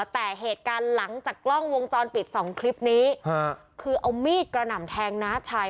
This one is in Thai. แต่เหตุการณ์หลังจากกล้องวงจรปิดสองคลิปนี้คือเอามีดกระหน่ำแทงน้าชาย